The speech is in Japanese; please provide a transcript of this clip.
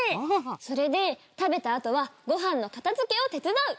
それで食べたあとはごはんの片づけを手伝う。